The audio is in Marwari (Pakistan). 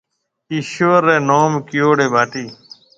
ايشوَر رَي نوم ڪيئوڙِي ٻاٽِي۔